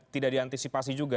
tidak diantisipasi juga